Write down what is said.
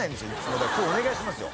だから今日お願いしますよ。